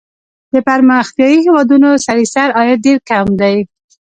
د پرمختیايي هېوادونو سړي سر عاید ډېر کم دی.